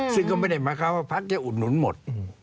ซึ่งก็ไม่ได้หมายความว่าพักจะอุดหนุนหมด